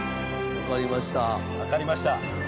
わかりました。